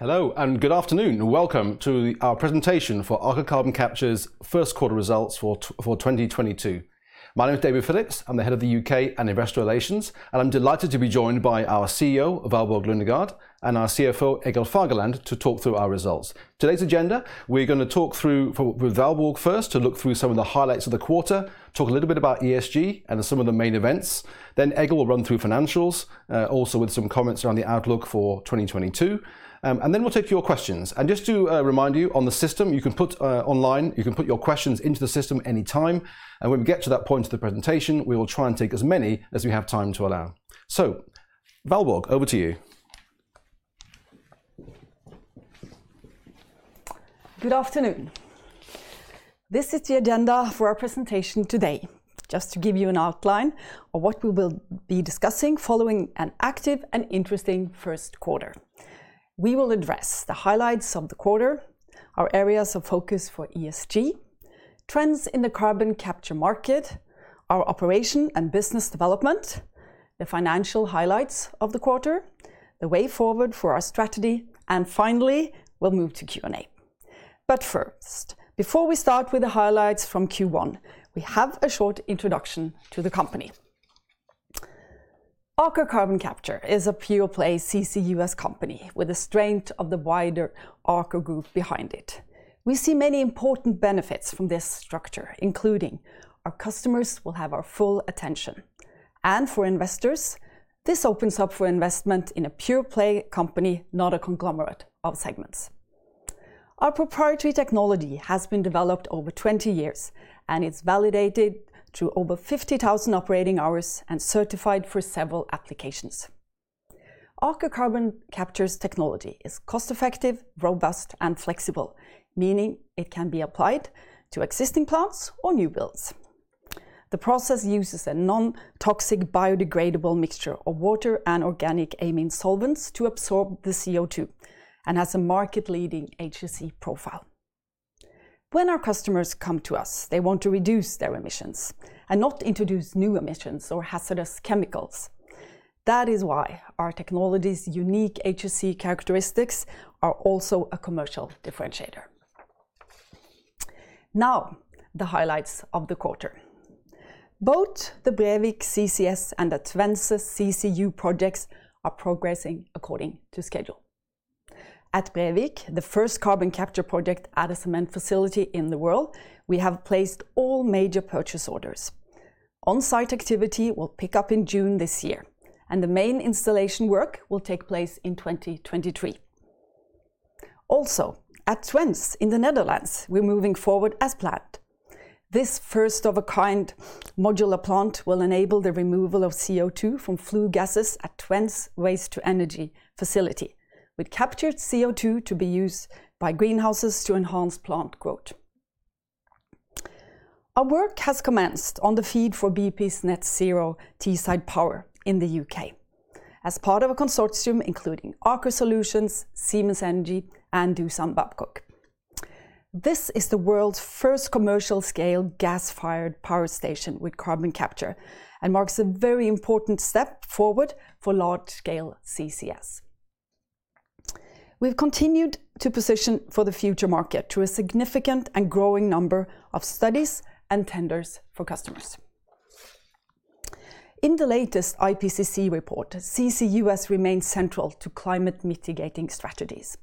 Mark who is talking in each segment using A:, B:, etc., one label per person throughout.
A: Hello, and good afternoon, and welcome to our presentation for Aker Carbon Capture's first quarter results for 2022. My name is David Phillips, I'm the head of the U.K. and Investor Relations, and I'm delighted to be joined by our CEO, Valborg Lundegaard, and our CFO, Egil Fagerland, to talk through our results. Today's agenda, we're gonna talk through with Valborg first to look through some of the highlights of the quarter, talk a little bit about ESG and some of the main events, then Egil will run through financials, also with some comments around the outlook for 2022, and then we'll take your questions. Just to remind you on the system, you can put your questions into the system any time, and when we get to that point of the presentation, we will try and take as many as we have time to allow. Valborg, over to you.
B: Good afternoon. This is the agenda for our presentation today. Just to give you an outline of what we will be discussing following an active and interesting first quarter. We will address the highlights of the quarter, our areas of focus for ESG, trends in the carbon capture market, our operation and business development, the financial highlights of the quarter, the way forward for our strategy, and finally, we'll move to Q&A. First, before we start with the highlights from Q1, we have a short introduction to the company. Aker Carbon Capture is a pure-play CCUS company with the strength of the wider Aker group behind it. We see many important benefits from this structure, including our customers will have our full attention, and for investors, this opens up for investment in a pure play company, not a conglomerate of segments. Our proprietary technology has been developed over 20 years, and it's validated through over 50,000 operating hours and certified for several applications. Aker Carbon Capture's technology is cost-effective, robust, and flexible, meaning it can be applied to existing plants or new builds. The process uses a non-toxic biodegradable mixture of water and organic amine solvents to absorb the CO2, and has a market-leading HSE profile. When our customers come to us, they want to reduce their emissions and not introduce new emissions or hazardous chemicals. That is why our technology's unique HSE characteristics are also a commercial differentiator. Now, the highlights of the quarter. Both the Brevik CCS and the Twence CCU projects are progressing according to schedule. At Brevik, the first carbon capture project at a cement facility in the world, we have placed all major purchase orders. On-site activity will pick up in June this year, and the main installation work will take place in 2023. Also, at Twence in the Netherlands, we're moving forward as planned. This first-of-a-kind modular plant will enable the removal of CO2 from flue gases at Twence's waste-to-energy facility, with captured CO2 to be used by greenhouses to enhance plant growth. Our work has commenced on the FEED for BP's Net Zero Teesside Power in the U.K. as part of a consortium including Aker Solutions, Siemens Energy, and Doosan Babcock. This is the world's first commercial-scale gas-fired power station with carbon capture and marks a very important step forward for large-scale CCS. We've continued to position for the future market through a significant and growing number of studies and tenders for customers. In the latest IPCC report, CCUS remains central to climate mitigation strategies.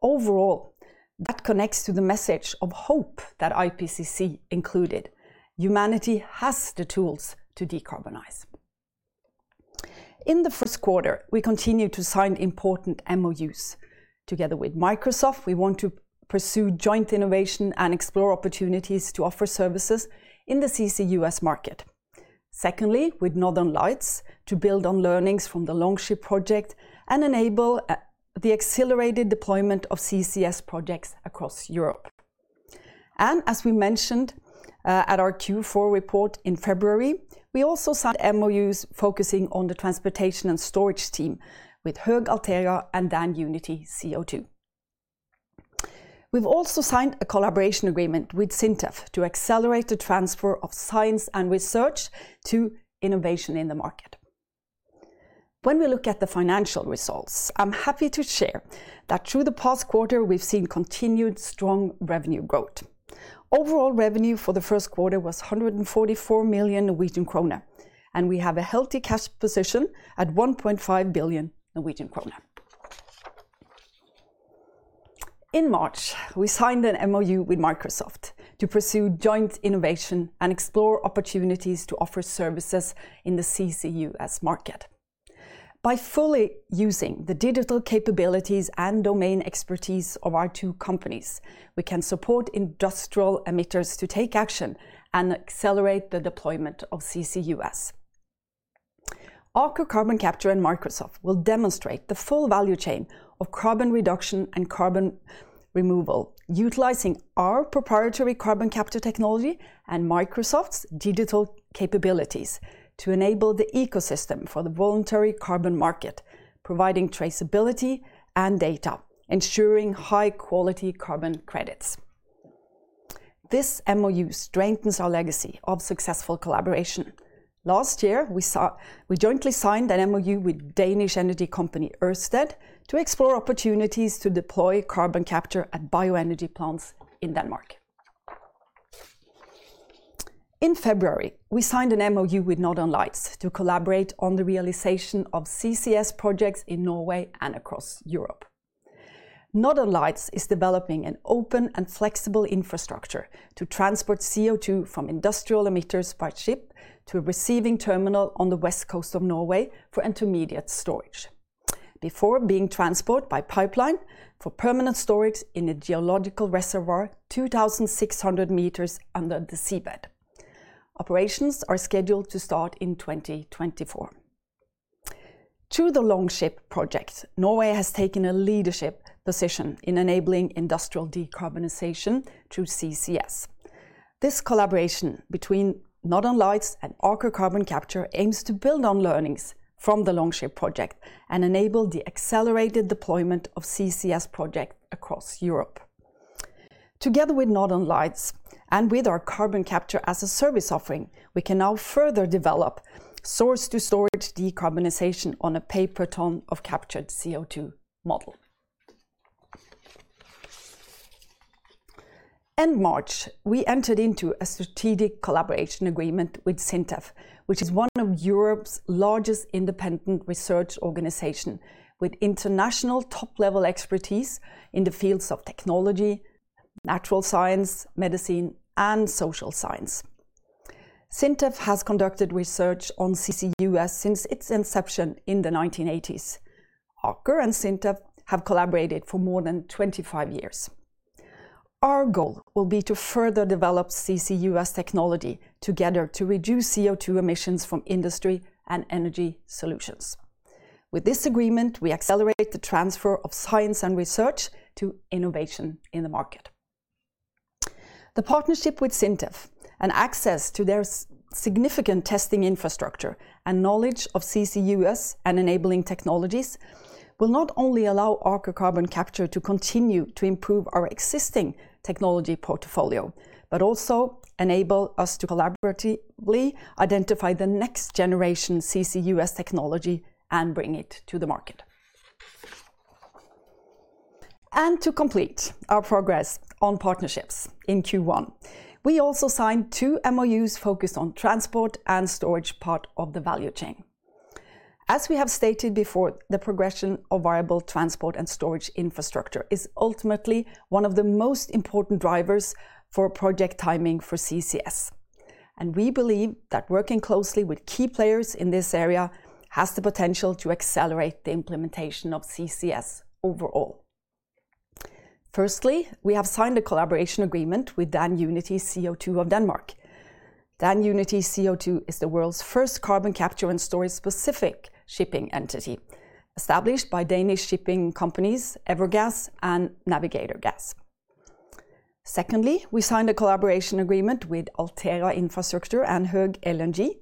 B: Overall, that connects to the message of hope that IPCC included. Humanity has the tools to decarbonize. In the first quarter, we continued to sign important MOUs. Together with Microsoft, we want to pursue joint innovation and explore opportunities to offer services in the CCUS market. Secondly, with Northern Lights, to build on learnings from the Longship project and enable the accelerated deployment of CCS projects across Europe. As we mentioned at our Q4 report in February, we also signed MOUs focusing on the transportation and storage team with Höegh LNG and Dan-Unity CO2. We've also signed a collaboration agreement with SINTEF to accelerate the transfer of science and research to innovation in the market. When we look at the financial results, I'm happy to share that through the past quarter, we've seen continued strong revenue growth. Overall revenue for the first quarter was 144 million Norwegian kroner, and we have a healthy cash position at 1.5 billion Norwegian kroner. In March, we signed an MOU with Microsoft to pursue joint innovation and explore opportunities to offer services in the CCUS market. By fully using the digital capabilities and domain expertise of our two companies, we can support industrial emitters to take action and accelerate the deployment of CCUS. Aker Carbon Capture and Microsoft will demonstrate the full value chain of carbon reduction and carbon removal, utilizing our proprietary carbon capture technology and Microsoft's digital capabilities to enable the ecosystem for the voluntary carbon market, providing traceability and data, ensuring high-quality carbon credits. This MOU strengthens our legacy of successful collaboration. Last year, we jointly signed an MOU with Danish energy company Ørsted to explore opportunities to deploy carbon capture at bioenergy plants in Denmark. In February, we signed an MOU with Northern Lights to collaborate on the realization of CCS projects in Norway and across Europe. Northern Lights is developing an open and flexible infrastructure to transport CO2 from industrial emitters by ship to a receiving terminal on the west coast of Norway for intermediate storage, before being transported by pipeline for permanent storage in a geological reservoir 2,600 m under the seabed. Operations are scheduled to start in 2024. To the Longship project, Norway has taken a leadership position in enabling industrial decarbonization through CCS. This collaboration between Northern Lights and Aker Carbon Capture aims to build on learnings from the Longship project and enable the accelerated deployment of CCS projects across Europe. Together with Northern Lights and with our Carbon Capture as a Service offering, we can now further develop source-to-storage decarbonization on a pay-per-tonne of captured CO2 model. In March, we entered into a strategic collaboration agreement with SINTEF, which is one of Europe's largest independent research organizations with international top-level expertise in the fields of technology, natural science, medicine, and social science. SINTEF has conducted research on CCUS since its inception in the 1980s. Aker and SINTEF have collaborated for more than 25 years. Our goal will be to further develop CCUS technology together to reduce CO2 emissions from industry and energy solutions. With this agreement, we accelerate the transfer of science and research to innovation in the market. The partnership with SINTEF and access to their significant testing infrastructure and knowledge of CCUS and enabling technologies will not only allow Aker Carbon Capture to continue to improve our existing technology portfolio, but also enable us to collaboratively identify the next generation CCUS technology and bring it to the market. To complete our progress on partnerships in Q1, we also signed two MOUs focused on transport and storage part of the value chain. As we have stated before, the progression of viable transport and storage infrastructure is ultimately one of the most important drivers for project timing for CCS, and we believe that working closely with key players in this area has the potential to accelerate the implementation of CCS overall. Firstly, we have signed a collaboration agreement with Dan-Unity CO2 of Denmark. Dan-Unity CO2 is the world's first carbon capture and storage-specific shipping entity, established by Danish shipping companies Evergas and Navigator Gas. Secondly, we signed a collaboration agreement with Altera Infrastructure and Höegh LNG,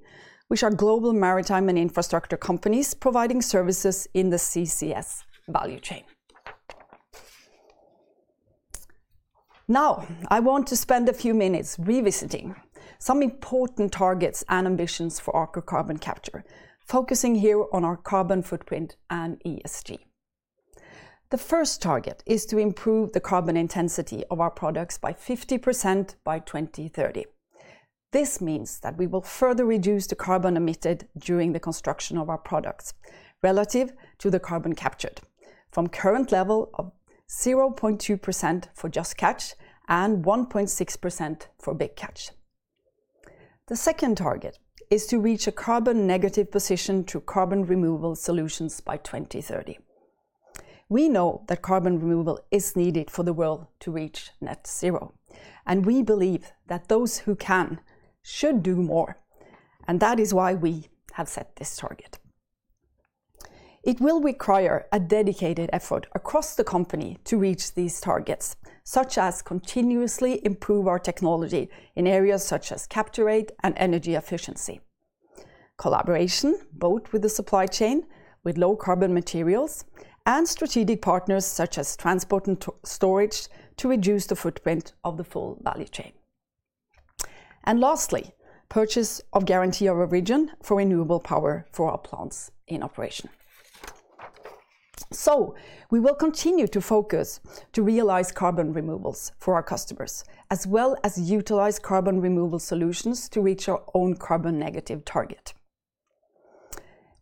B: which are global maritime and infrastructure companies providing services in the CCS value chain. Now, I want to spend a few minutes revisiting some important targets and ambitions for Aker Carbon Capture, focusing here on our carbon footprint and ESG. The first target is to improve the carbon intensity of our products by 50% by 2030. This means that we will further reduce the carbon emitted during the construction of our products relative to the carbon captured from current level of 0.2% for Just Catch and 1.6% for Big Catch. The second target is to reach a carbon negative position through carbon removal solutions by 2030. We know that carbon removal is needed for the world to reach net zero, and we believe that those who can should do more, and that is why we have set this target. It will require a dedicated effort across the company to reach these targets, such as continuously improve our technology in areas such as capture rate and energy efficiency, collaboration both with the supply chain, with low carbon materials and strategic partners such as transport and storage to reduce the footprint of the full value chain. Lastly, purchase of guarantee of origin for renewable power for our plants in operation. We will continue to focus to realize carbon removals for our customers, as well as utilize carbon removal solutions to reach our own carbon negative target.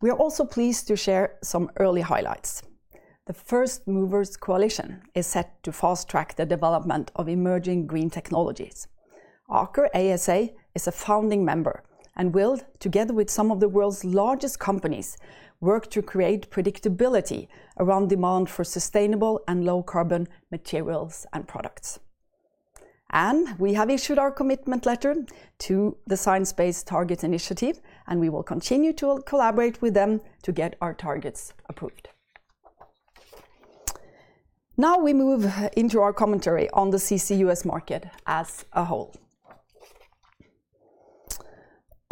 B: We are also pleased to share some early highlights. The First Movers Coalition is set to fast-track the development of emerging green technologies. Aker ASA is a founding member and will, together with some of the world's largest companies, work to create predictability around demand for sustainable and low carbon materials and products. We have issued our commitment letter to the Science Based Targets initiative, and we will continue to collaborate with them to get our targets approved. Now we move into our commentary on the CCUS market as a whole.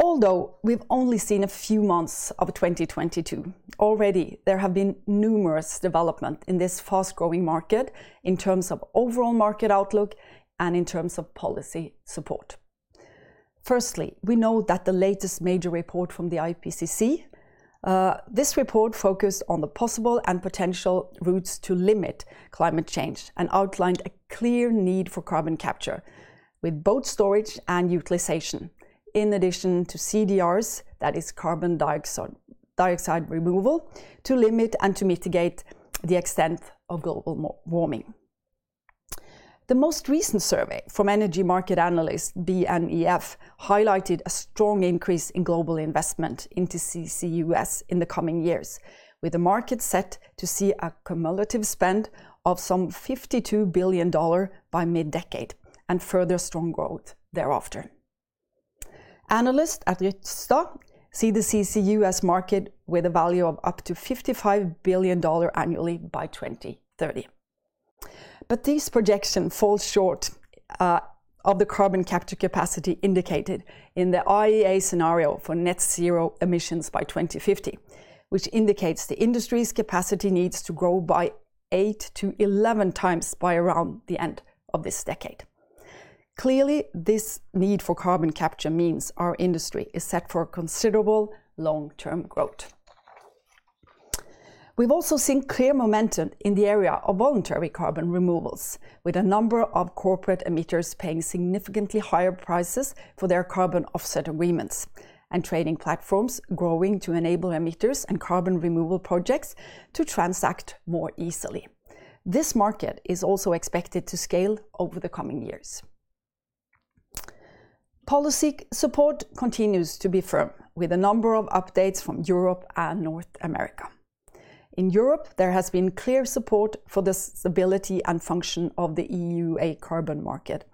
B: Although we've only seen a few months of 2022, already there have been numerous developments in this fast-growing market in terms of overall market outlook and in terms of policy support. Firstly, we know that the latest major report from the IPCC, this report focused on the possible and potential routes to limit climate change and outlined a clear need for carbon capture with both storage and utilization in addition to CDRs, that is carbon dioxide removal, to limit and to mitigate the extent of global warming. The most recent survey from energy market analyst BNEF highlighted a strong increase in global investment into CCUS in the coming years, with the market set to see a cumulative spend of some $52 billion by mid-decade, and further strong growth thereafter. Analysts at Rystad see the CCUS market with a value of up to $55 billion annually by 2030. This projection falls short of the carbon capture capacity indicated in the IEA scenario for net zero emissions by 2050, which indicates the industry's capacity needs to grow by 8x-11x by around the end of this decade. Clearly, this need for carbon capture means our industry is set for considerable long-term growth. We've also seen clear momentum in the area of voluntary carbon removals, with a number of corporate emitters paying significantly higher prices for their carbon offset agreements, and trading platforms growing to enable emitters and carbon removal projects to transact more easily. This market is also expected to scale over the coming years. Policy support continues to be firm, with a number of updates from Europe and North America. In Europe, there has been clear support for the stability and function of the EU ETS carbon market,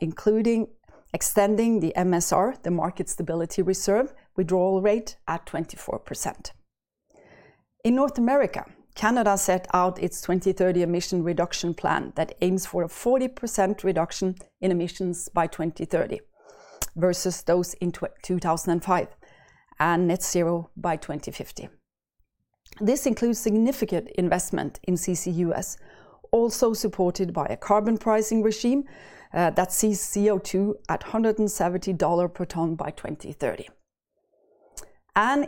B: including extending the MSR, the Market Stability Reserve, withdrawal rate at 24%. In North America, Canada set out its 2030 emission reduction plan that aims for a 40% reduction in emissions by 2030 versus those in 2005, and net zero by 2050. This includes significant investment in CCUS, also supported by a carbon pricing regime that sees CO2 at 170 dollar per ton by 2030.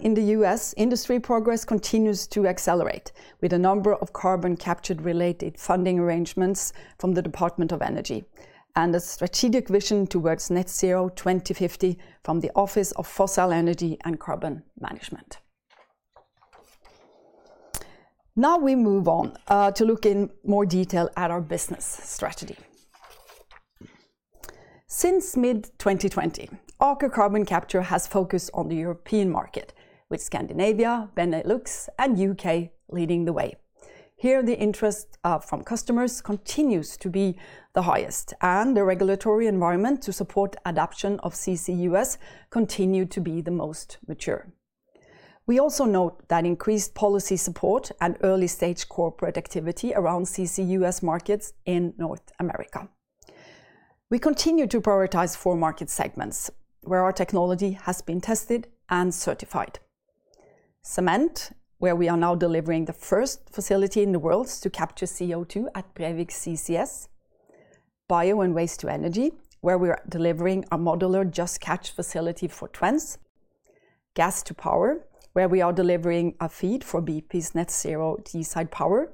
B: In the US, industry progress continues to accelerate, with a number of carbon capture-related funding arrangements from the Department of Energy, and a strategic vision towards net zero 2050 from the Office of Fossil Energy and Carbon Management. Now we move on to look in more detail at our business strategy. Since mid-2020, Aker Carbon Capture has focused on the European market, with Scandinavia, Benelux, and U.K. leading the way. Here, the interest from customers continues to be the highest, and the regulatory environment to support adoption of CCUS continue to be the most mature. We also note that increased policy support and early-stage corporate activity around CCUS markets in North America. We continue to prioritize four market segments where our technology has been tested and certified. Cement, where we are now delivering the first facility in the world to capture CO2 at Brevik CCS. Bio and waste to energy, where we are delivering a modular Just Catch facility for Twence. Gas to power, where we are delivering a FEED for BP's Net Zero Teesside Power.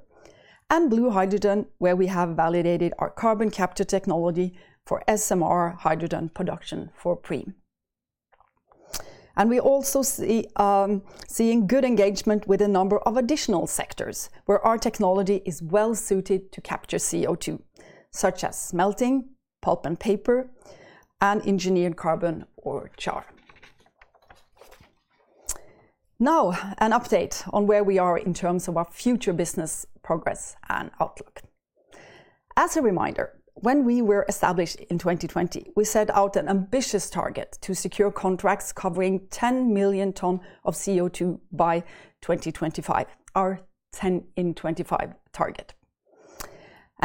B: And blue hydrogen, where we have validated our carbon capture technology for SMR hydrogen production for Preem. We also see good engagement with a number of additional sectors where our technology is well suited to capture CO2, such as smelting, pulp and paper, and engineered carbon or char. Now, an update on where we are in terms of our future business progress and outlook. As a reminder, when we were established in 2020, we set out an ambitious target to secure contracts covering 10 million tons of CO2 by 2025, our 10 in 2025 target.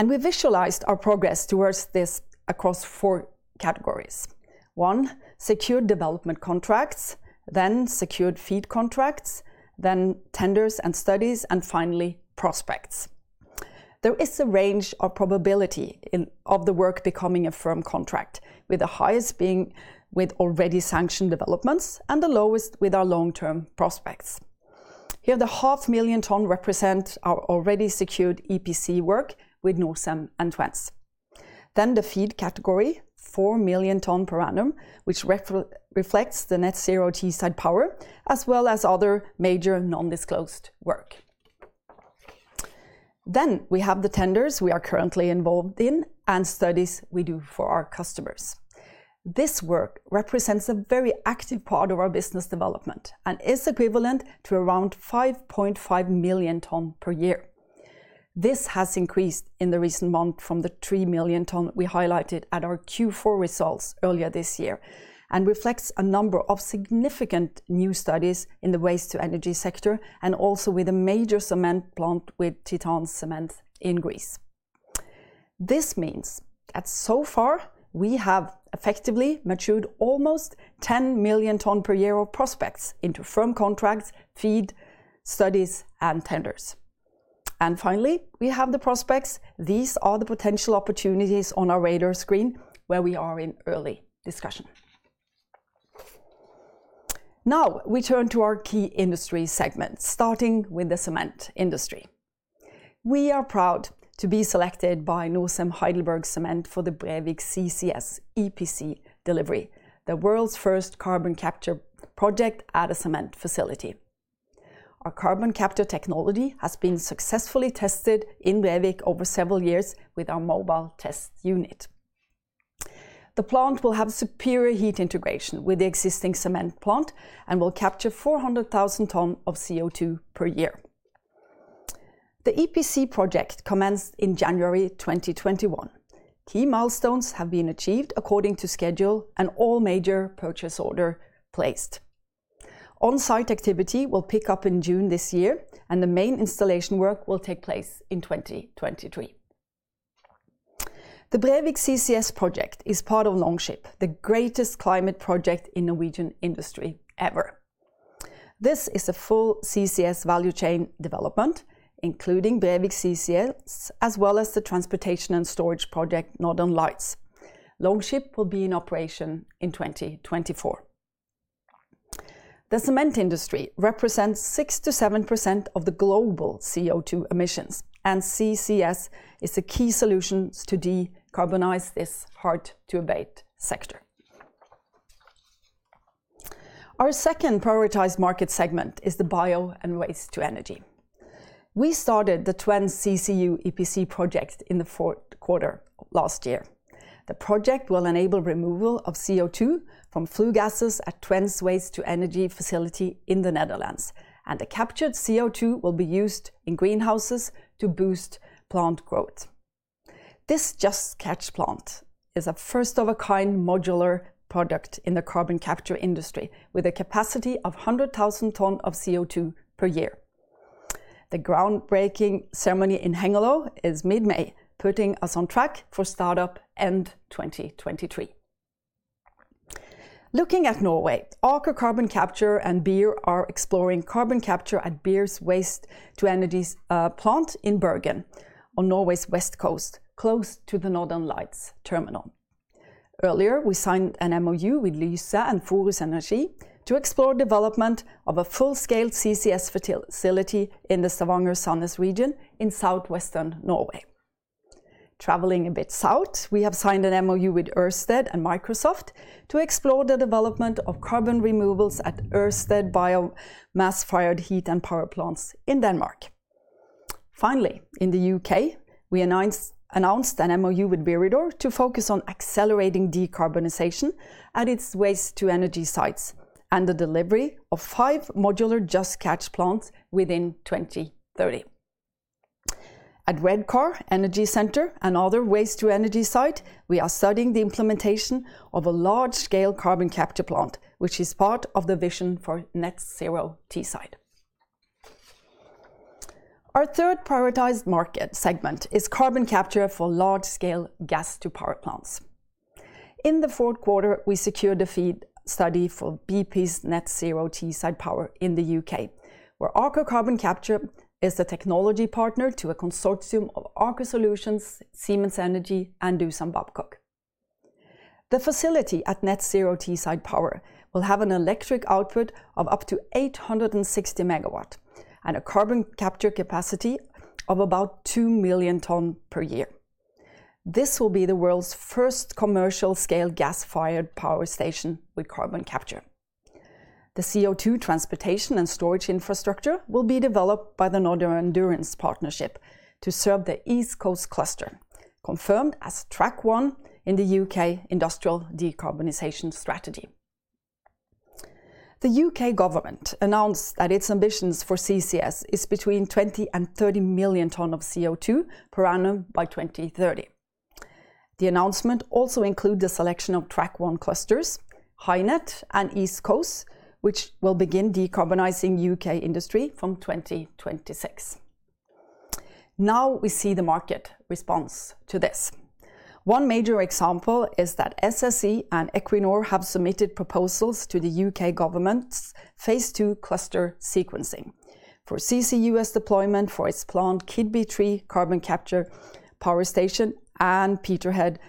B: We visualized our progress towards this across four categories. One, secured development contracts, then secured FEED contracts, then tenders and studies, and finally, prospects. There is a range of probability of the work becoming a firm contract, with the highest being with already sanctioned developments and the lowest with our long-term prospects. Here, the 0.5 million tons represent our already secured EPC work with Norcem and Twence. The feed category, 4 million tons per annum, which reflects the Net Zero Teesside Power, as well as other major non-disclosed work. We have the tenders we are currently involved in and studies we do for our customers. This work represents a very active part of our business development and is equivalent to around 5.5 million tons per year. This has increased in the recent month from the 3 million tons we highlighted at our Q4 results earlier this year, and reflects a number of significant new studies in the waste-to-energy sector and also with a major cement plant with Titan Cement in Greece. This means that so far we have effectively matured almost 10 million tons per year of prospects into firm contracts, feed studies, and tenders. Finally, we have the prospects. These are the potential opportunities on our radar screen where we are in early discussion. Now we turn to our key industry segment, starting with the cement industry. We are proud to be selected by Norcem, HeidelbergCement for the Brevik CCS EPC delivery, the world's first carbon capture project at a cement facility. Our carbon capture technology has been successfully tested in Brevik over several years with our mobile test unit. The plant will have superior heat integration with the existing cement plant and will capture 400,000 ton of CO2 per year. The EPC project commenced in January 2021. Key milestones have been achieved according to schedule and all major purchase order placed. On-site activity will pick up in June this year, and the main installation work will take place in 2023. The Brevik CCS project is part of Longship, the greatest climate project in Norwegian industry ever. This is a full CCS value chain development, including Brevik CCS, as well as the transportation and storage project Northern Lights. Longship will be in operation in 2024. The cement industry represents 6%-7% of the global CO2 emissions, and CCS is a key solution to decarbonize this hard-to-abate sector. Our second prioritized market segment is the bio and waste to energy. We started the Twence CCU EPC project in the fourth quarter last year. The project will enable removal of CO2 from flue gases at Twence's waste-to-energy facility in the Netherlands, and the captured CO2 will be used in greenhouses to boost plant growth. This Just Catch plant is a first-of-a-kind modular product in the carbon capture industry with a capacity of 100,000 tons of CO2 per year. The groundbreaking ceremony in Hengelo is mid-May, putting us on track for startup end 2023. Looking at Norway, Aker Carbon Capture and BIR are exploring carbon capture at BIR's waste-to-energy plant in Bergen on Norway's west coast, close to the Northern Lights terminal. Earlier, we signed an MOU with Lyse and Forus Energi to explore development of a full-scale CCS facility in the Stavanger-Sandnes region in southwestern Norway. Traveling a bit south, we have signed an MOU with Ørsted and Microsoft to explore the development of carbon removals at Ørsted biomass-fired heat and power plants in Denmark. Finally, in the U.K., we announced an MOU with Viridor to focus on accelerating decarbonization at its waste-to-energy sites and the delivery of five modular Just Catch plants within 2030. At Redcar Energy Centre, another waste-to-energy site, we are studying the implementation of a large-scale carbon capture plant, which is part of the vision for Net Zero Teesside Power. Our third prioritized market segment is carbon capture for large-scale gas-to-power plants. In the fourth quarter, we secured a FEED study for BP's Net Zero Teesside Power in the U.K., where Aker Carbon Capture is the technology partner to a consortium of Aker Solutions, Siemens Energy, and Doosan Babcock. The facility at Net Zero Teesside Power will have an electric output of up to 860 MW and a carbon capture capacity of about 2 million tons per year. This will be the world's first commercial-scale gas-fired power station with carbon capture. The CO2 transportation and storage infrastructure will be developed by the Northern Endurance Partnership to serve the East Coast Cluster, confirmed as Track-1 in the U.K. Industrial Decarbonization Strategy. The U.K. government announced that its ambitions for CCS are between 20 and 30 million tons of CO2 per annum by 2030. The announcement also includes the selection of Track-1 clusters, HyNet and East Coast, which will begin decarbonizing U.K. industry from 2026. Now we see the market response to this. One major example is that SSE and Equinor have submitted proposals to the U.K. government's Phase-2 cluster sequencing for CCUS deployment for its plant, Keadby 3 carbon capture power station and Peterhead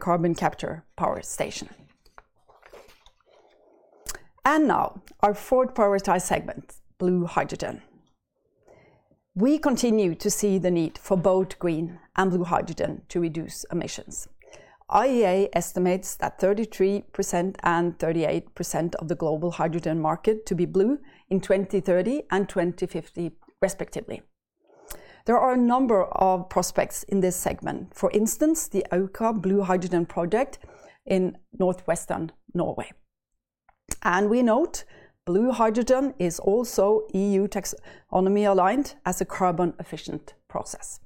B: carbon capture power station. Now our fourth prioritized segment, blue hydrogen. We continue to see the need for both green and blue hydrogen to reduce emissions. IEA estimates that 33% and 38% of the global hydrogen market to be blue in 2030 and 2050 respectively. There are a number of prospects in this segment, for instance, the Aukra Blue Hydrogen project in northwestern Norway. We note blue hydrogen is also EU taxonomy aligned as a carbon-efficient process.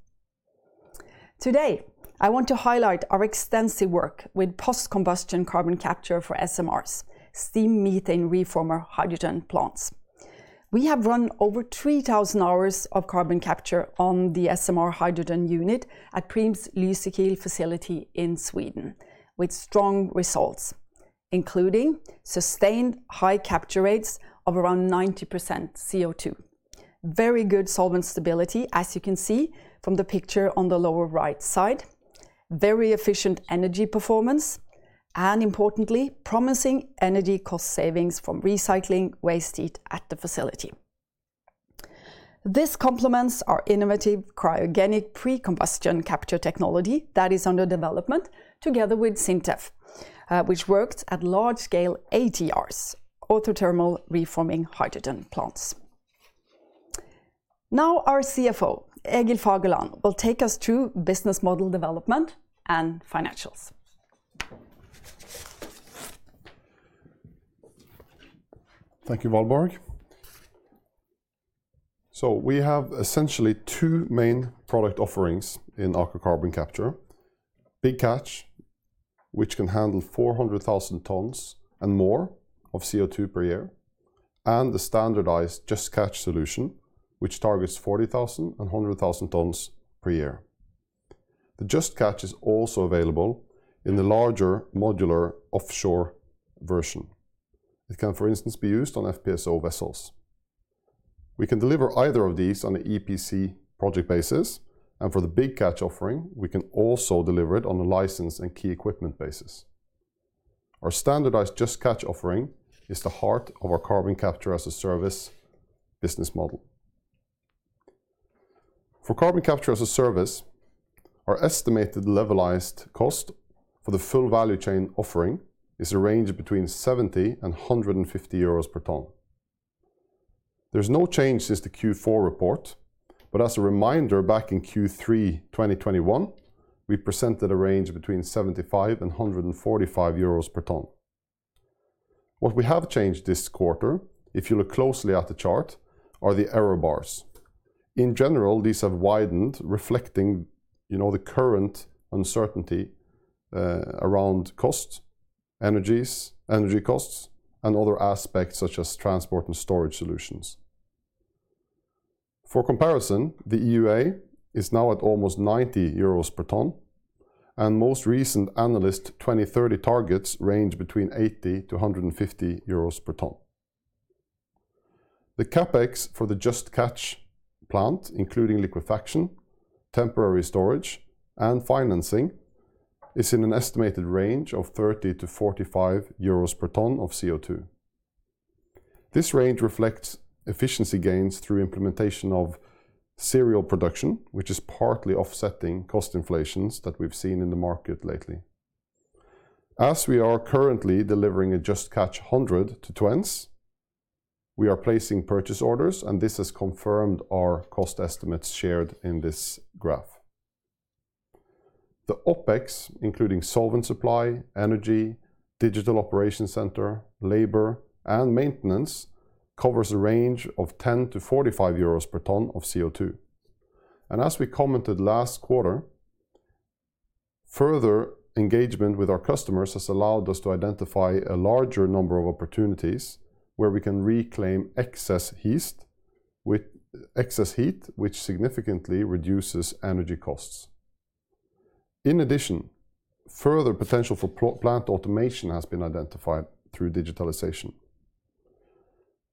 B: Today, I want to highlight our extensive work with post-combustion carbon capture for SMRs, steam methane reformer hydrogen plants. We have run over 3,000 hours of carbon capture on the SMR hydrogen unit at Preem's Lysekil facility in Sweden with strong results, including sustained high capture rates of around 90% CO2. Very good solvent stability, as you can see from the picture on the lower right side, very efficient energy performance, and importantly, promising energy cost savings from recycling waste heat at the facility. This complements our innovative cryogenic pre-combustion capture technology that is under development together with SINTEF, which worked at large scale ATRs, auto-thermal reforming hydrogen plants. Now our CFO, Egil Fagerland, will take us through business model development and financials.
C: Thank you, Valborg. We have essentially two main product offerings in Aker Carbon Capture, Big Catch, which can handle 400,000 tons and more of CO2 per year, and the standardized Just Catch solution, which targets 40,000 and 100,000 tons per year. The Just Catch is also available in the larger modular offshore version. It can, for instance, be used on FPSO vessels. We can deliver either of these on the EPC project basis, and for the Big Catch offering, we can also deliver it on a license and key equipment basis. Our standardized Just Catch offering is the heart of our Carbon Capture as a Service business model. For Carbon Capture as a Service, our estimated levelized cost for the full value chain offering is a range between 70 and 150 euros per ton. There's no change since the Q4 report, but as a reminder, back in Q3 2021, we presented a range between 75 and 145 euros per ton. What we have changed this quarter, if you look closely at the chart, are the error bars. In general, these have widened, reflecting, you know, the current uncertainty around costs, energy costs, and other aspects such as transport and storage solutions. For comparison, the EUA is now at almost 90 euros per ton, and most recent analyst 2030 targets range between 80-150 euros per ton. The CapEx for the Just Catch plant, including liquefaction, temporary storage, and financing, is in an estimated range of 30-45 euros per ton of CO2. This range reflects efficiency gains through implementation of serial production, which is partly offsetting cost inflations that we've seen in the market lately. We are currently delivering a Just Catch 100 to Twence, we are placing purchase orders, and this has confirmed our cost estimates shared in this graph. The OpEx, including solvent supply, energy, digital operation center, labor, and maintenance, covers a range of 10- 45 euros per ton of CO2. As we commented last quarter, further engagement with our customers has allowed us to identify a larger number of opportunities where we can reclaim excess heat, which significantly reduces energy costs. In addition, further potential for plant automation has been identified through digitalization.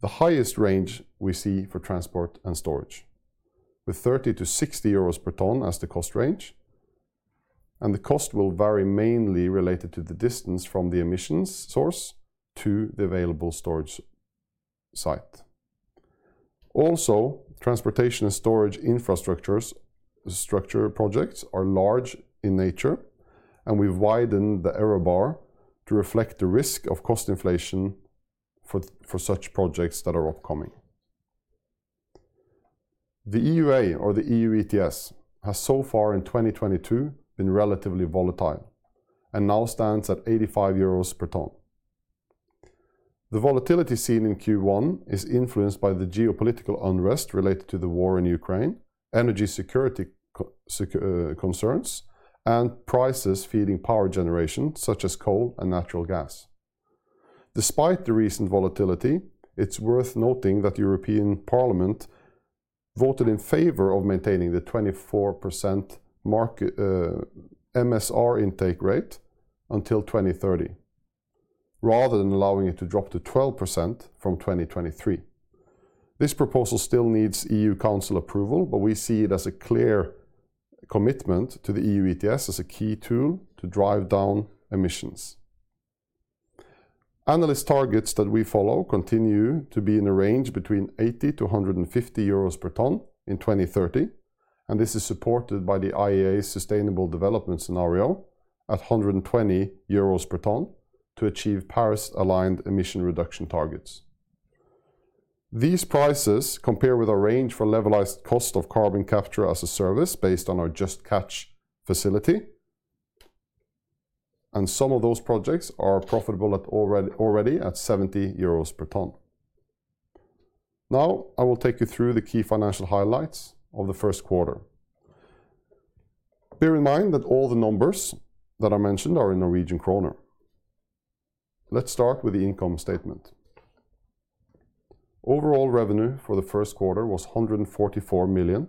C: The highest range we see for transport and storage, with 30-60 euros per ton as the cost range, and the cost will vary mainly related to the distance from the emissions source to the available storage site. Transportation and storage infrastructure projects are large in nature, and we've widened the error bar to reflect the risk of cost inflation for such projects that are upcoming. The EUA or the EU ETS has so far in 2022 been relatively volatile and now stands at 85 euros per ton. The volatility seen in Q1 is influenced by the geopolitical unrest related to the war in Ukraine, energy security concerns, and prices for power generation such as coal and natural gas. Despite the recent volatility, it's worth noting that European Parliament voted in favor of maintaining the 24% MSR intake rate until 2030, rather than allowing it to drop to 12% from 2023. This proposal still needs EU council approval, but we see it as a clear commitment to the EU ETS as a key tool to drive down emissions. Analyst targets that we follow continue to be in a range between 80-150 euros per ton in 2030, and this is supported by the IEA Sustainable Development Scenario at 120 euros per ton to achieve Paris-aligned emission reduction targets. These prices compare with a range for levelized cost of carbon capture as a service based on our Just Catch facility, and some of those projects are profitable already at 70 euros per ton. Now, I will take you through the key financial highlights of the first quarter. Bear in mind that all the numbers that I mentioned are in Norwegian kroner. Let's start with the income statement. Overall revenue for the first quarter was 144 million,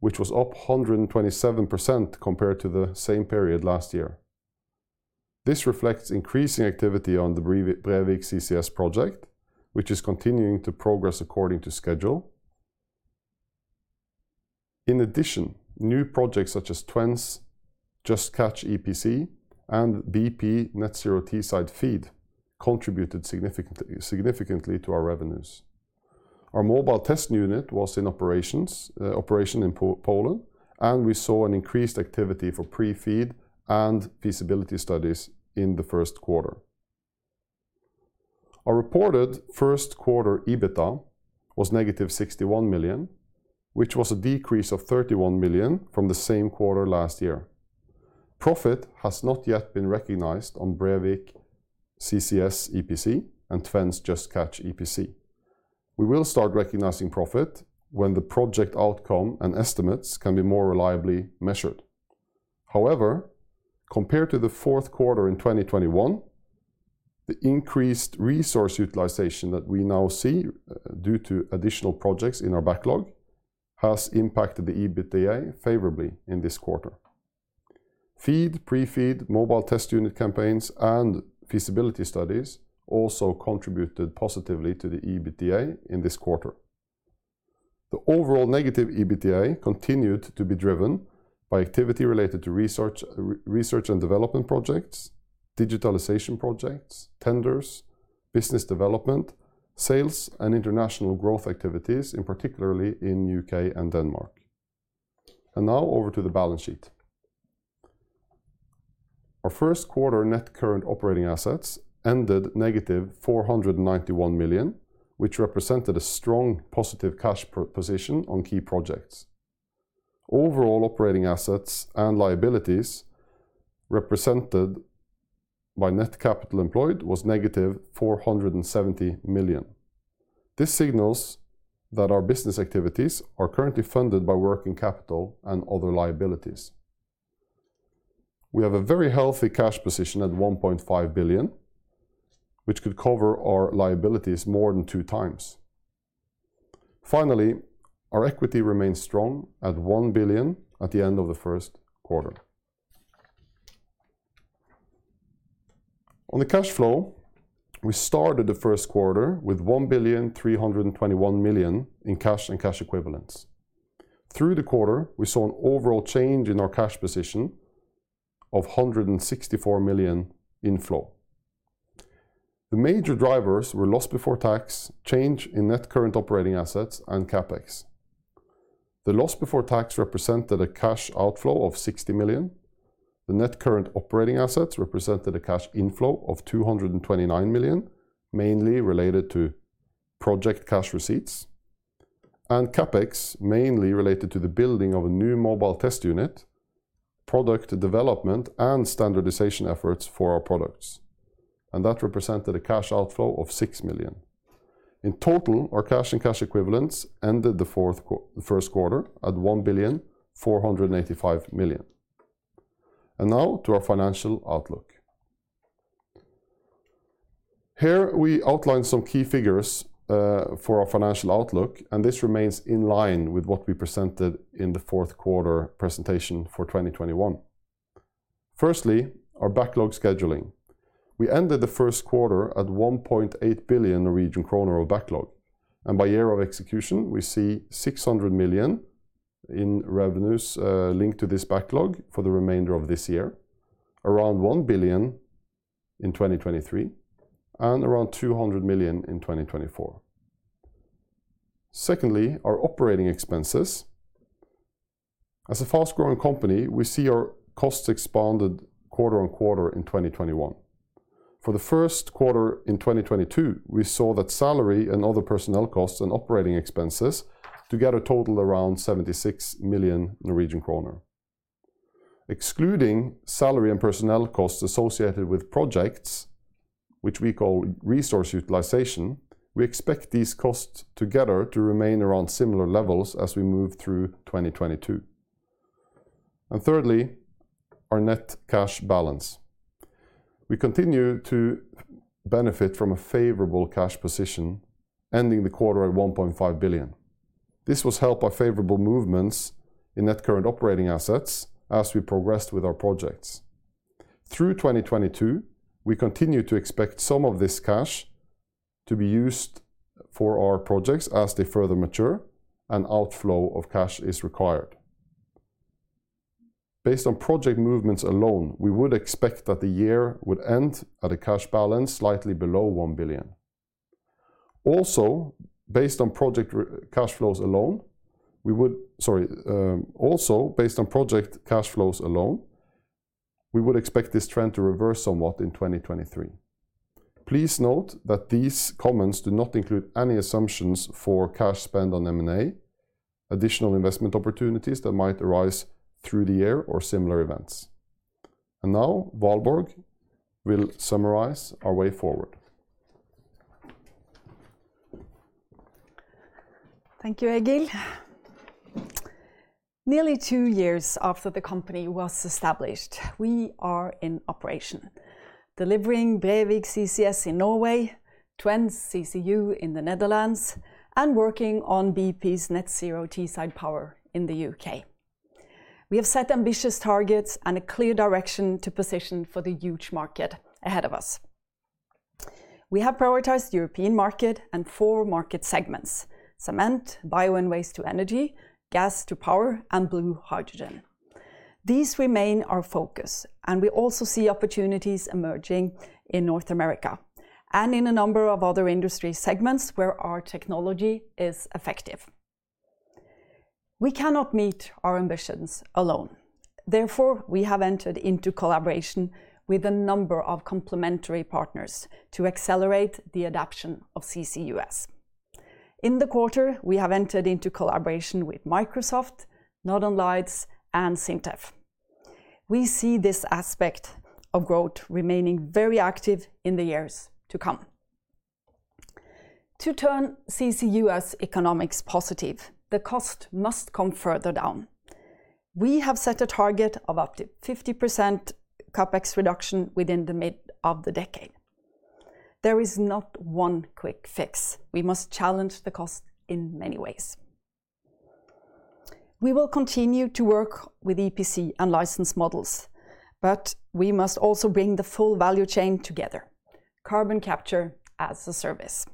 C: which was up 127% compared to the same period last year. This reflects increasing activity on the Brevik CCS Project, which is continuing to progress according to schedule. In addition, new projects such as Twence Just Catch EPC and BP Net Zero Teesside FEED contributed significantly to our revenues. Our Mobile Test Unit was in operation in Poland, and we saw an increased activity for pre-FEED and feasibility studies in the first quarter. Our reported first quarter EBITDA was negative 61 million, which was a decrease of 31 million from the same quarter last year. Profit has not yet been recognized on Brevik CCS EPC and Twence Just Catch EPC. We will start recognizing profit when the project outcome and estimates can be more reliably measured. However, compared to the fourth quarter in 2021, the increased resource utilization that we now see, due to additional projects in our backlog has impacted the EBITDA favorably in this quarter. FEED, pre-FEED, Mobile Test Unit campaigns, and feasibility studies also contributed positively to the EBITDA in this quarter. The overall negative EBITDA continued to be driven by activity related to research and development projects, digitalization projects, tenders, business development, sales, and international growth activities, in particular in U.K. and Denmark. Now over to the balance sheet. Our first quarter net current operating assets ended -491 million, which represented a strong positive cash position on key projects. Overall operating assets and liabilities represented by net capital employed was -470 million. This signals that our business activities are currently funded by working capital and other liabilities. We have a very healthy cash position at 1.5 billion, which could cover our liabilities more than two times. Finally, our equity remains strong at 1 billion at the end of the first quarter. On the cash flow, we started the first quarter with 1,321 million in cash and cash equivalents. Through the quarter, we saw an overall change in our cash position of 164 million inflow. The major drivers were loss before tax, change in net current operating assets, and CapEx. The loss before tax represented a cash outflow of 60 million. The net current operating assets represented a cash inflow of 229 million, mainly related to project cash receipts. CapEx, mainly related to the building of a new Mobile Test Unit, product development, and standardization efforts for our products, and that represented a cash outflow of 6 million. In total, our cash and cash equivalents ended the first quarter at 1,485 million. Now to our financial outlook. Here we outline some key figures for our financial outlook, and this remains in line with what we presented in the fourth quarter presentation for 2021. Firstly, our backlog scheduling. We ended the first quarter at 1.8 billion Norwegian kroner of backlog, and by year of execution, we see 600 million in revenues linked to this backlog for the remainder of this year, around 1 billion in 2023, and around 200 million in 2024. Secondly, our operating expenses. As a fast-growing company, we see our costs expanded quarter-on-quarter in 2021. For the first quarter in 2022, we saw that salary and other personnel costs and operating expenses together totaled around 76 million Norwegian kroner. Excluding salary and personnel costs associated with projects, which we call resource utilization, we expect these costs together to remain around similar levels as we move through 2022. Thirdly, our net cash balance. We continue to benefit from a favorable cash position ending the quarter at 1.5 billion. This was helped by favorable movements in net current operating assets as we progressed with our projects. Through 2022, we continue to expect some of this cash to be used for our projects as they further mature, and outflow of cash is required. Based on project movements alone, we would expect that the year would end at a cash balance slightly below 1 billion. Also, based on project cash flows alone, we would expect this trend to reverse somewhat in 2023. Please note that these comments do not include any assumptions for cash spend on M&A, additional investment opportunities that might arise through the year, or similar events. Now Valborg will summarize our way forward.
B: Thank you, Egil. Nearly two years after the company was established, we are in operation, delivering Brevik CCS in Norway, Twence CCU in the Netherlands, and working on BP's Net Zero Teesside Power in the U.K. We have set ambitious targets and a clear direction to position for the huge market ahead of us. We have prioritized European market and four market segments: cement, bio and waste to energy, gas to power, and blue hydrogen. These remain our focus, and we also see opportunities emerging in North America and in a number of other industry segments where our technology is effective. We cannot meet our ambitions alone, therefore, we have entered into collaboration with a number of complementary partners to accelerate the adoption of CCUS. In the quarter, we have entered into collaboration with Microsoft, Northern Lights, and SINTEF. We see this aspect of growth remaining very active in the years to come. To turn CCUS economics positive, the cost must come further down. We have set a target of up to 50% CapEx reduction within the mid of the decade. There is not one quick fix. We must challenge the cost in many ways. We will continue to work with EPC and license models, but we must also bring the full value chain together, Carbon Capture as a Service.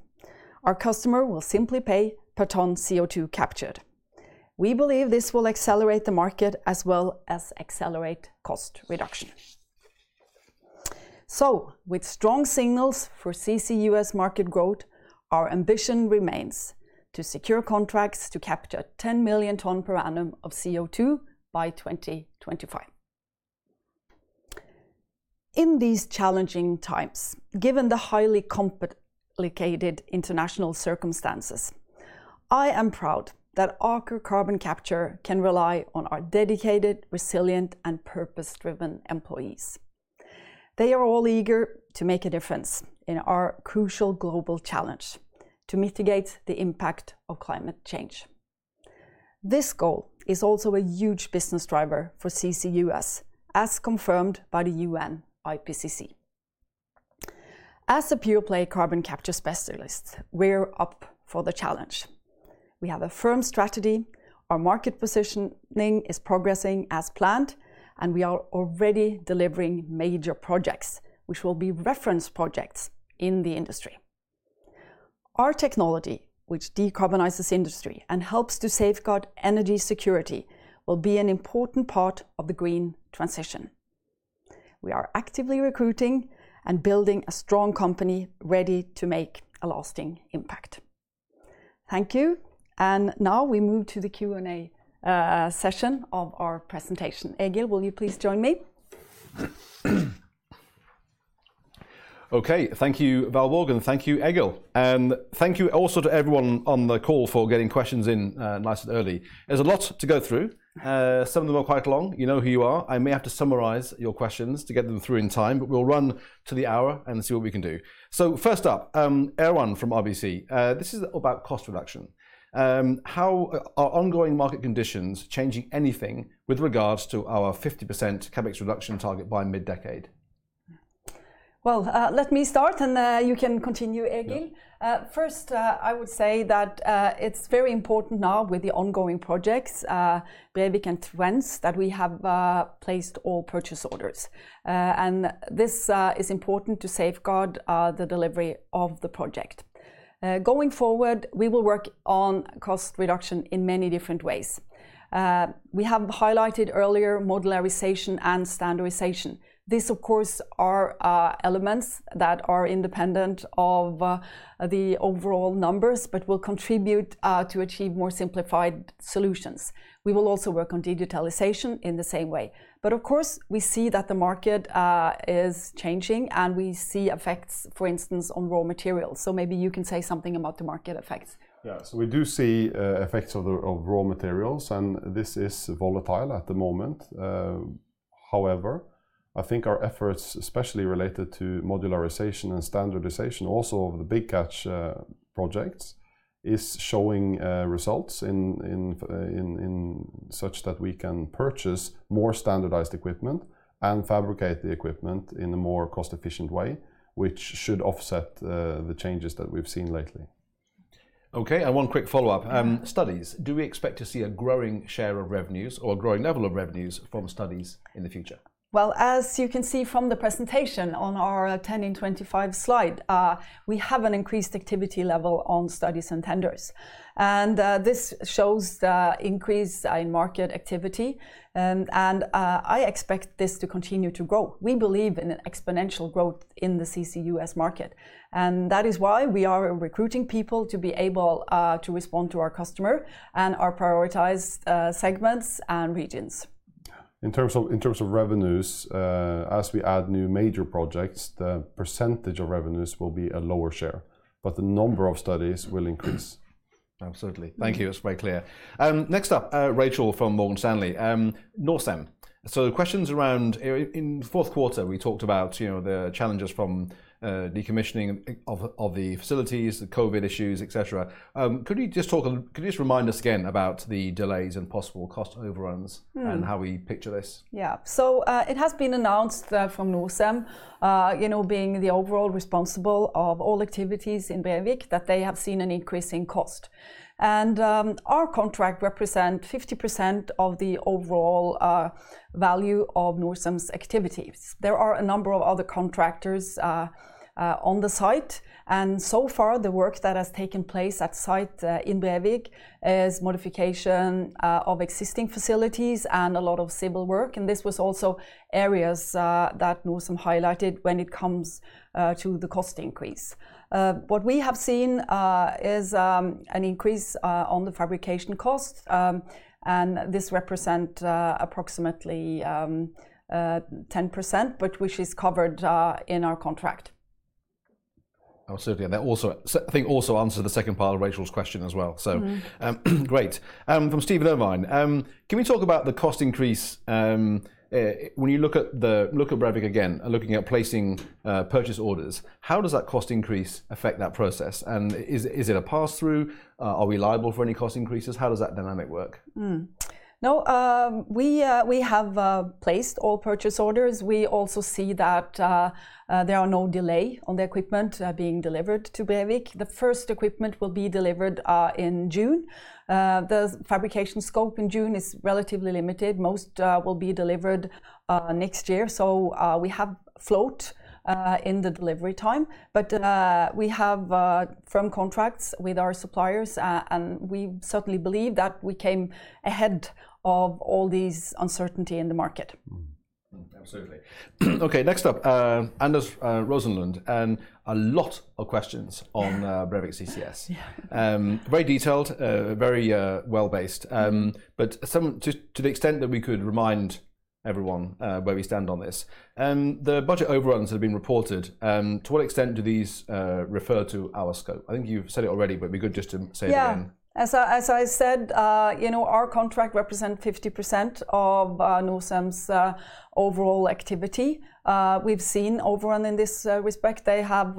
B: Our customer will simply pay per ton CO2 captured. We believe this will accelerate the market as well as accelerate cost reduction. With strong signals for CCUS market growth, our ambition remains to secure contracts to capture 10 million tons per annum of CO2 by 2025. In these challenging times, given the highly complicated international circumstances, I am proud that Aker Carbon Capture can rely on our dedicated, resilient, and purpose-driven employees. They are all eager to make a difference in our crucial global challenge to mitigate the impact of climate change. This goal is also a huge business driver for CCUS, as confirmed by the UN IPCC. As a pure play carbon capture specialist, we're up for the challenge. We have a firm strategy, our market positioning is progressing as planned, and we are already delivering major projects which will be reference projects in the industry. Our technology, which decarbonizes industry and helps to safeguard energy security, will be an important part of the green transition. We are actively recruiting and building a strong company ready to make a lasting impact. Thank you. Now we move to the Q&A session of our presentation. Egil, will you please join me?
A: Okay. Thank you, Valborg, and thank you, Egil. Thank you also to everyone on the call for getting questions in, nice and early. There's a lot to go through. Some of them are quite long. You know who you are. I may have to summarize your questions to get them through in time, but we'll run to the hour and see what we can do. First up, Erwan from RBC, this is about cost reduction. How are ongoing market conditions changing anything with regards to our 50% CapEx reduction target by mid-decade?
B: Well, let me start, and you can continue, Egil.
C: Yeah.
B: First, I would say that it's very important now with the ongoing projects, Brevik and Twence, that we have placed all purchase orders. This is important to safeguard the delivery of the project. Going forward, we will work on cost reduction in many different ways. We have highlighted earlier modularization and standardization. These, of course, are elements that are independent of the overall numbers, but will contribute to achieve more simplified solutions. We will also work on digitalization in the same way. Of course, we see that the market is changing, and we see effects, for instance, on raw materials. Maybe you can say something about the market effects.
C: We do see effects of raw materials, and this is volatile at the moment. However, I think our efforts, especially related to modularization and standardization, also the Big Catch projects, is showing results in such that we can purchase more standardized equipment and fabricate the equipment in a more cost-efficient way, which should offset the changes that we've seen lately.
A: Okay, one quick follow-up.
B: Mm-hmm.
A: Studies, do we expect to see a growing share of revenues or a growing level of revenues from studies in the future?
B: Well, as you can see from the presentation on our 10 in 2025 slide, we have an increased activity level on studies and tenders. This shows the increase in market activity. I expect this to continue to grow. We believe in an exponential growth in the CCUS market. That is why we are recruiting people to be able to respond to our customer and our prioritized segments and regions.
C: In terms of revenues, as we add new major projects, the percentage of revenues will be a lower share, but the number of studies will increase.
A: Absolutely. Thank you. That's very clear. Next up, Rachel from Morgan Stanley. Norcem. The questions around in the fourth quarter, we talked about, you know, the challenges from decommissioning of the facilities, the COVID issues, et cetera. Could you just remind us again about the delays and possible cost overruns?
B: Mm
A: How we picture this?
B: It has been announced from Norcem, being the overall responsible of all activities in Brevik, that they have seen an increase in cost. Our contract represent 50% of the overall value of Norcem's activities. There are a number of other contractors on the site, and so far the work that has taken place at site in Brevik is modification of existing facilities and a lot of civil work, and this was also areas that Norcem highlighted when it comes to the cost increase. What we have seen is an increase on the fabrication cost, and this represent approximately 10%, but which is covered in our contract.
A: Oh, certainly. That also I think also answers the second part of Rachel's question as well.
B: Mm-hmm.
A: Great. From Steven Irvine, can we talk about the cost increase, when you look at Brevik again, are looking at placing purchase orders. How does that cost increase affect that process? Is it a pass-through? Are we liable for any cost increases? How does that dynamic work?
B: No, we have placed all purchase orders. We also see that there are no delay on the equipment being delivered to Brevik. The first equipment will be delivered in June. The fabrication scope in June is relatively limited. Most will be delivered next year, so we have float in the delivery time. We have firm contracts with our suppliers, and we certainly believe that we came ahead of all this uncertainty in the market.
A: Mm-hmm. Absolutely. Okay, next up, Anders Rosenlund, and a lot of questions on Brevik CCS.
B: Yeah.
A: Very detailed, very well-based. To the extent that we could remind everyone where we stand on this. The budget overruns have been reported. To what extent do these refer to our scope? I think you've said it already, but it'd be good just to say it again.
B: Yeah. As I said, you know, our contract represent 50% of Norcem's overall activity. We've seen overrun in this respect. They have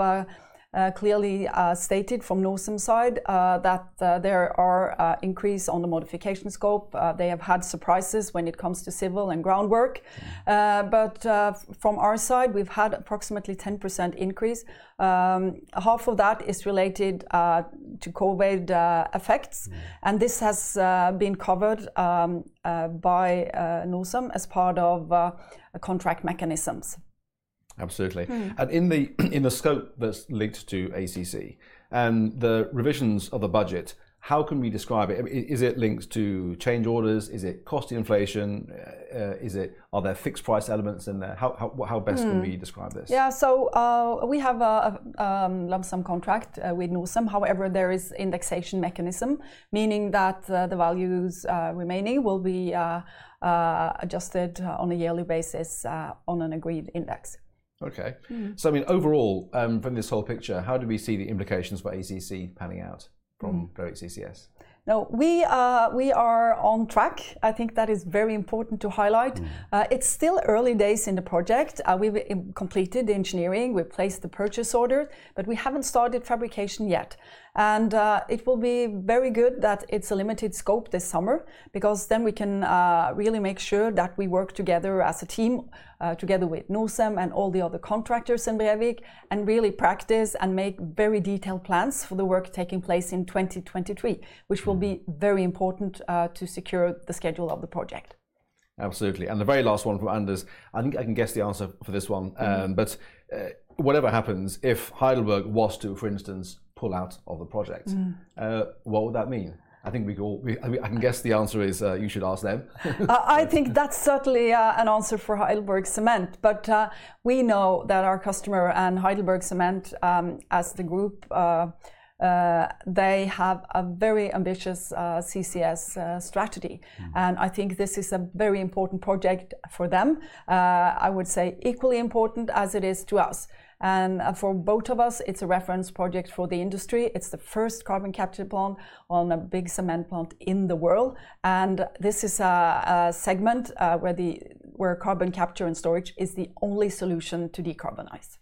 B: clearly stated from Norcem's side that there are increase on the modification scope. They have had surprises when it comes to civil and groundwork.
A: Mm.
B: From our side, we've had approximately 10% increase. Half of that is related to COVID effects.
A: Mm.
B: This has been covered by Norcem as part of contract mechanisms.
A: Absolutely.
B: Mm.
A: In the scope that's linked to ACC, and the revisions of the budget, how can we describe it? I mean, is it linked to change orders? Is it cost inflation? Are there fixed price elements in there? How, what, how best?
B: Mm
A: Can we describe this?
B: We have a lump sum contract with Norcem. However, there is indexation mechanism, meaning that the values remaining will be adjusted on a yearly basis on an agreed index.
A: Okay.
B: Mm-hmm.
A: I mean, overall, from this whole picture, how do we see the implications for ACC panning out from?
B: Mm
A: Brevik CCS?
B: No, we are on track. I think that is very important to highlight.
A: Mm.
B: It's still early days in the project. We've completed the engineering, we've placed the purchase order, but we haven't started fabrication yet. It will be very good that it's a limited scope this summer because then we can really make sure that we work together as a team, together with Norcem and all the other contractors in Brevik, and really practice and make very detailed plans for the work taking place in 2023.
A: Mm...
B: which will be very important to secure the schedule of the project.
A: Absolutely. The very last one from Anders, I think I can guess the answer for this one, but whatever happens, if Heidelberg was to, for instance, pull out of the project.
B: Mm
A: What would that mean? I think we all I mean, I can guess the answer is, you should ask them.
B: I think that's certainly an answer for HeidelbergCement, but we know that our customer and HeidelbergCement, as the group, they have a very ambitious CCS strategy.
A: Mm.
B: I think this is a very important project for them. I would say equally important as it is to us. For both of us, it's a reference project for the industry. It's the first carbon capture plant on a big cement plant in the world, and this is a segment where carbon capture and storage is the only solution to decarbonize.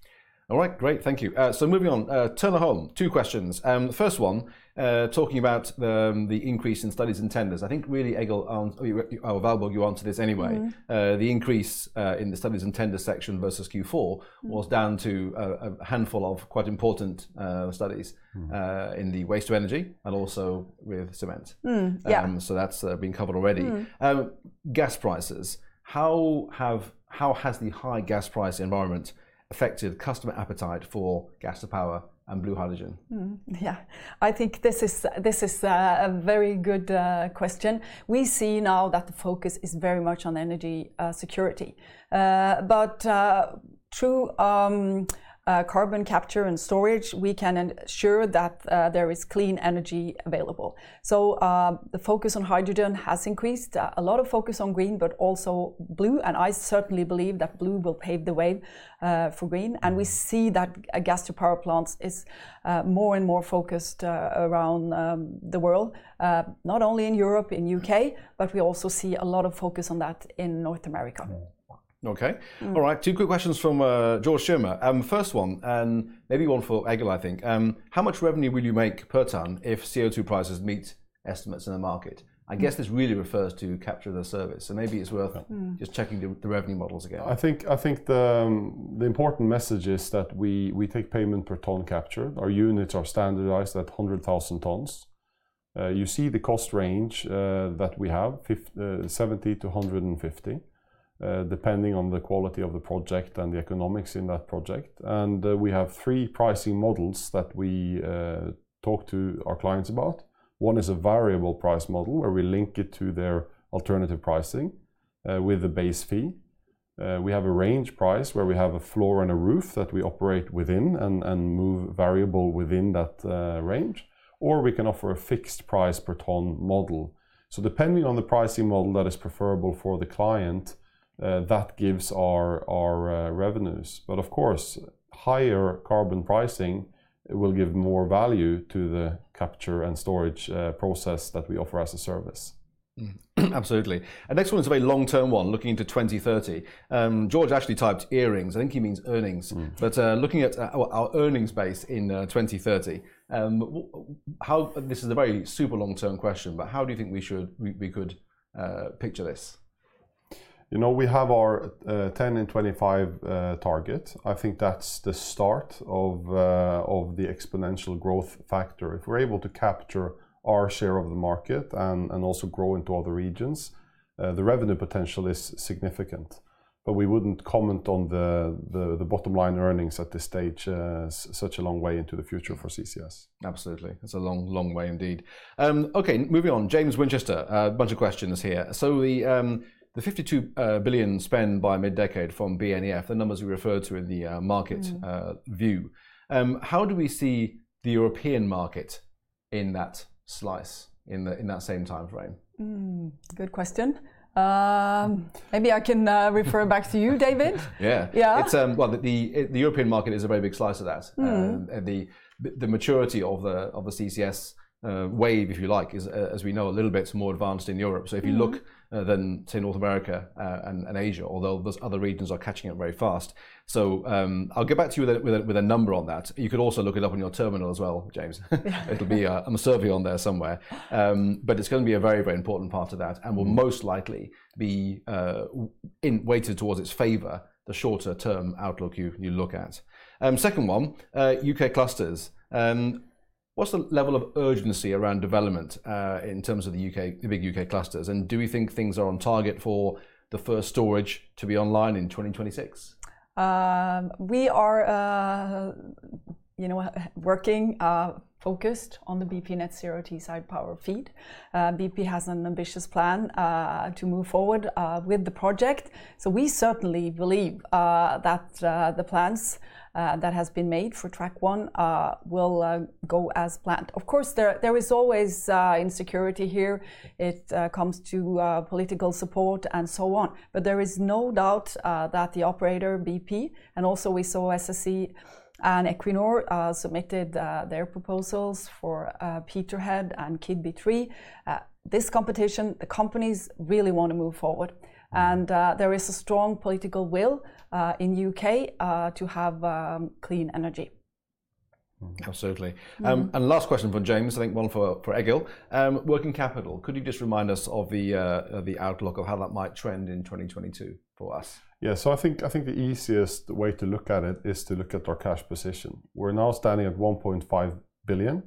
A: All right, great, thank you. Moving on. Turner Holm, two questions. The first one, talking about the increase in studies and tenders. I think really Egil or Valborg you answered this anyway.
B: Mm-hmm.
A: The increase in the studies and tender section versus Q4-
B: Mm
A: was down to a handful of quite important studies.
B: Mm
A: In the waste-to-energy, and also with cement.
B: Yeah.
A: That's been covered already.
B: Mm.
A: Gas prices. How has the high gas price environment affected customer appetite for gas to power and blue hydrogen?
B: I think this is a very good question. We see now that the focus is very much on energy security. Through carbon capture and storage, we can ensure that there is clean energy available. The focus on hydrogen has increased. A lot of focus on green, but also blue, and I certainly believe that blue will pave the way for green. We see that gas-to-power plants is more and more focused around the world, not only in Europe, in U.K., but we also see a lot of focus on that in North America.
A: Okay.
B: Mm.
A: All right. Two quick questions from George Schumer. First one, and maybe one for Egil, I think. How much revenue will you make per ton if CO2 prices meet estimates in the market?
B: Mm.
A: I guess this really refers to Carbon Capture as a Service. Maybe it's worth-
B: Mm
A: Just checking the revenue models again.
C: I think the important message is that we take payment per ton capture. Our units are standardized at 100,000 tons. You see the cost range that we have, 70-150, depending on the quality of the project and the economics in that project. We have three pricing models that we talk to our clients about. One is a variable price model where we link it to their alternative pricing with a base fee. We have a range price where we have a floor and a roof that we operate within and move variable within that range. Or we can offer a fixed price per ton model. Depending on the pricing model that is preferable for the client, that gives our revenues. Of course, higher carbon pricing, it will give more value to the capture and storage process that we offer as a service.
A: Absolutely. Next one's a very long-term one, looking to 2030. George actually typed earrings. I think he means earnings.
C: Mm.
A: Looking at our earnings base in 2030. This is a very super long-term question, but how do you think we should, we could picture this?
C: You know, we have our 10 in 2025 target. I think that's the start of the exponential growth factor. If we're able to capture our share of the market and also grow into other regions, the revenue potential is significant. We wouldn't comment on the bottom line earnings at this stage, such a long way into the future for CCS.
A: Absolutely. It's a long, long way indeed. Okay, moving on. James Winchester, a bunch of questions here. The $52 billion spend by mid-decade from BNEF, the numbers you referred to in the market-
B: Mm
A: View, how do we see the European market in that slice in that same timeframe?
B: Good question. Maybe I can refer back to you, David.
A: Yeah.
B: Yeah.
A: Well, the European market is a very big slice of that.
B: Mm.
A: The maturity of the CCS wave, if you like, is, as we know, a little bit more advanced in Europe.
B: Mm-hmm.
A: If you look, then, say, North America and Asia, although those other regions are catching up very fast. I'll get back to you with a number on that. You could also look it up on your terminal as well, James.
B: Yeah.
A: It'll be on the survey on there somewhere. It's gonna be a very, very important part of that.
B: Mm
A: And will most likely be weighted towards its favor the shorter term outlook you look at. Second one, U.K. clusters. What's the level of urgency around development in terms of the U.K., the big U.K. clusters, and do we think things are on target for the first storage to be online in 2026?
B: We are, you know, working, focused on the BP Net Zero Teesside Power FEED. BP has an ambitious plan to move forward with the project, so we certainly believe that the plans that has been made for Track-1 will go as planned. Of course, there is always uncertainty here. It comes to political support and so on, but there is no doubt that the operator, BP, and also we saw SSE and Equinor submitted their proposals for Peterhead and Keadby 3. This competition, the companies really wanna move forward, and there is a strong political will in U.K. to have clean energy.
A: Absolutely.
B: Mm.
A: Last question from James, I think one for Egil. Working capital, could you just remind us of the outlook of how that might trend in 2022 for us?
C: Yeah. I think the easiest way to look at it is to look at our cash position. We're now standing at 1.5 billion,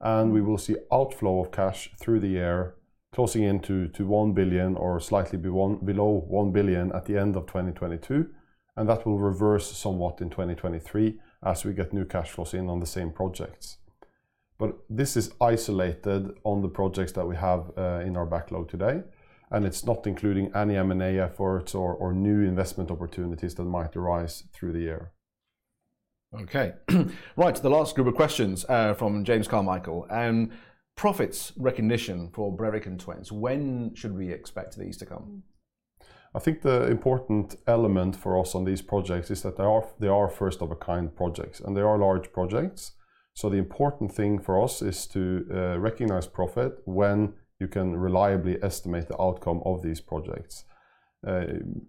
C: and we will see outflow of cash through the year closing into 1 billion or slightly below 1 billion at the end of 2022, and that will reverse somewhat in 2023 as we get new cash flows in on the same projects. But this is isolated on the projects that we have in our backlog today, and it's not including any M&A efforts or new investment opportunities that might arise through the year.
A: Okay. Right, the last group of questions are from James Carmichael. Profit recognition for Brevik and Twence, when should we expect these to come?
B: Mm.
C: I think the important element for us on these projects is that they are first of a kind projects, and they are large projects, so the important thing for us is to recognize profit when you can reliably estimate the outcome of these projects.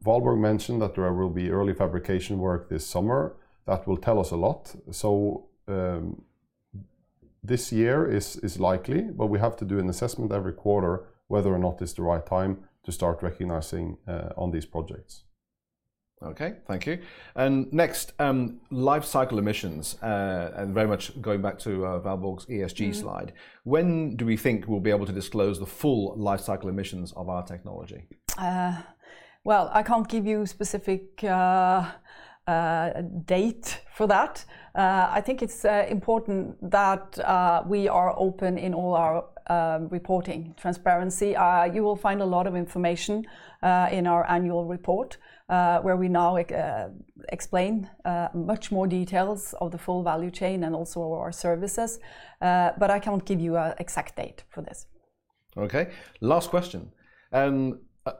C: Valborg mentioned that there will be early fabrication work this summer. That will tell us a lot. This year is likely, but we have to do an assessment every quarter whether or not it's the right time to start recognizing on these projects.
A: Okay. Thank you. Next, life cycle emissions, and very much going back to Valborg's ESG slide.
B: Mm.
A: When do we think we'll be able to disclose the full life cycle emissions of our technology?
B: Well, I can't give you a specific date for that. I think it's important that we are open in all our reporting transparency. You will find a lot of information in our annual report, where we now explain much more details of the full value chain and also our services, but I can't give you an exact date for this.
A: Okay. Last question.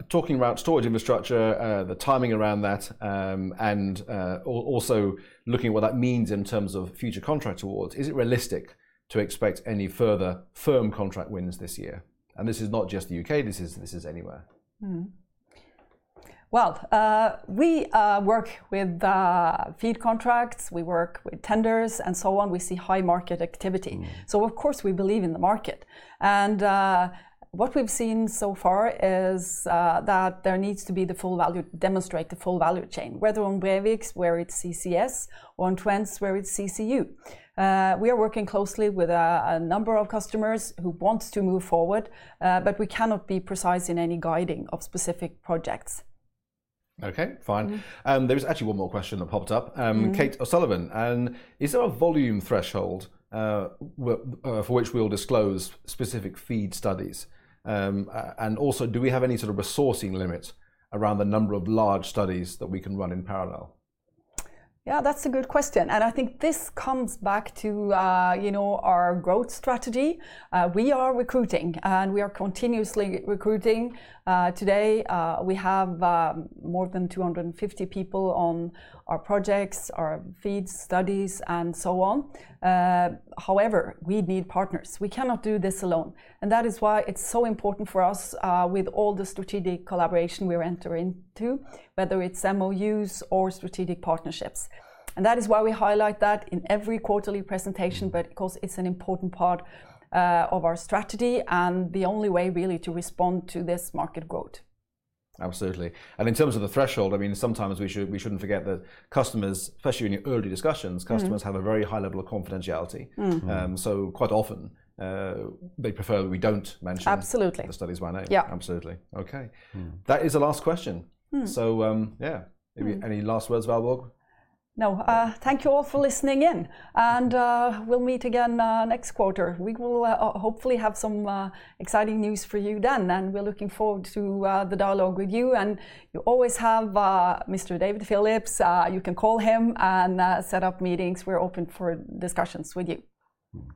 A: Talking about storage infrastructure, the timing around that, and also looking at what that means in terms of future contract awards, is it realistic to expect any further firm contract wins this year? This is not just the U.K., this is anywhere.
B: Well, we work with FEED contracts, we work with tenders and so on. We see high market activity.
A: Mm-hmm.
B: Of course, we believe in the market. What we've seen so far is that there needs to be the full value chain demonstrated, whether on Brevik, where it's CCS, or on Twence, where it's CCU. We are working closely with a number of customers who wants to move forward, but we cannot be precise in any guidance of specific projects.
A: Okay, fine.
B: Mm-hmm.
A: There is actually one more question that popped up.
B: Mm-hmm.
A: Kate O'Sullivan: Is there a volume threshold for which we'll disclose specific FEED studies? Also, do we have any sort of resourcing limits around the number of large studies that we can run in parallel?
B: Yeah, that's a good question, and I think this comes back to, you know, our growth strategy. We are recruiting, and we are continuously recruiting. Today, we have more than 250 people on our projects, our FEED studies, and so on. However, we need partners. We cannot do this alone, and that is why it's so important for us, with all the strategic collaboration we enter into, whether it's MOUs or strategic partnerships. That is why we highlight that in every quarterly presentation, but of course, it's an important part of our strategy and the only way really to respond to this market growth.
A: Absolutely. In terms of the threshold, I mean, sometimes we should, we shouldn't forget that customers, especially in your early discussions.
B: Mm-hmm
A: Customers have a very high level of confidentiality.
B: Mm-hmm.
A: Quite often, they prefer that we don't mention-
B: Absolutely
A: the studies by name.
B: Yeah.
A: Absolutely. Okay.
C: Mm-hmm.
A: That is the last question.
B: Mm-hmm.
A: Yeah.
B: Mm-hmm.
A: Any last words, Valborg?
B: Now, thank you all for listening in, and we'll meet again next quarter. We will hopefully have some exciting news for you then, and we're looking forward to the dialogue with you, and you always have Mr. David Phillips. You can call him and set up meetings. We're open for discussions with you.